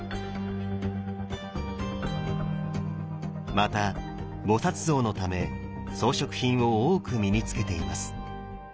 また菩像のため装飾品を多く身に着けています。